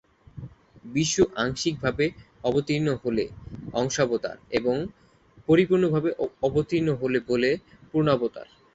বিষ্ণু আংশিকভাবে অবতীর্ণ হলে অংশাবতার এবং পরিপূর্ণরূপে অবতীর্ণ হলে বলে পূর্ণাবতার।